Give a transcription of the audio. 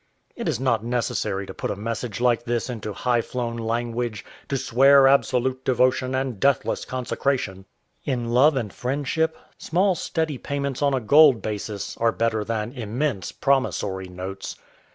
It is not necessary to put a message like this into high flown language, to swear absolute devotion and deathless consecration. In love and friendship, small, steady payments on a gold basis are better than immense promissory notes.